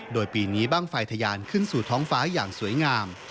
โดยปีนี้บ้างไฟทะยานขึ้นสู่ท้องฟ้าอย่างสวยงาม